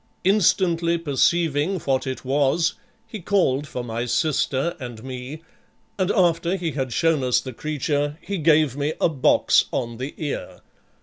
Instantly perceiving what it was, he called for my sister and me, and after he had shown us the creature, he gave me a box on the ear.